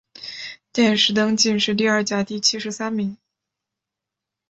殿试登进士第二甲第七十三名。